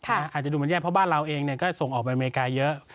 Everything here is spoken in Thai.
อาจจะดูมันแย่เพราะบ้านเราเองก็ส่งออกไปอเมริกาเยอะ